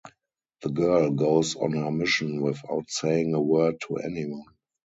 The girl goes on her mission without saying a word to anyone.